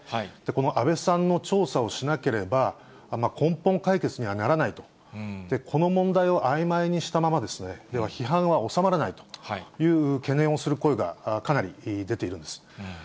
この安倍さんの調査をしなければ、根本解決にはならないと、この問題をあいまいにしたままでは批判は収まらないという懸念をする声がかなり出ているんです。